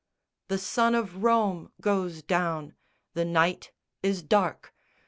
The sun of Rome goes down; the night is dark!